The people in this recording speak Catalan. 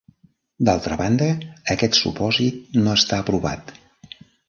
D'altra banda, aquest supòsit no està aprovat.